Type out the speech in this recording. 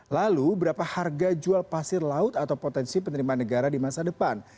lalu berapa harga jual pasir laut atau potensi penerimaan negara di masa depan